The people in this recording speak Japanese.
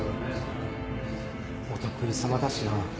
お得意様だしな。